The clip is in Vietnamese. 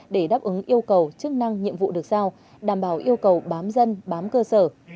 để đáp ứng yêu cầu chức năng nhiệm vụ được giao đảm bảo yêu cầu bám dân bám cơ sở